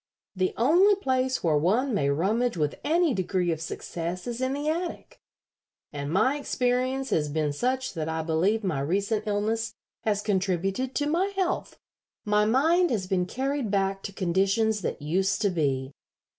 The only place where one may rummage with any degree of success is in the attic, and my experience has been such that I believe my recent illness has contributed to my health. My mind has been carried back to conditions that used to be.